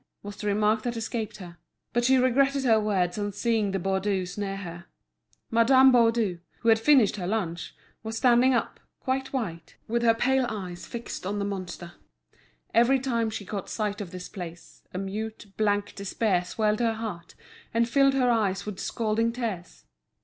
was the remark that escaped her. But she regretted her words on seeing the Baudus near her. Madame Baudu, who had finished her lunch, was standing up, quite white, with her pale eyes fixed on the monster; every time she caught sight of this place, a mute, blank despair swelled her heart, and filled her eyes with scalding tears.